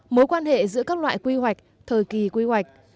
mối quan hệ giữa các loại quy hoạch thời kỳ quy hoạch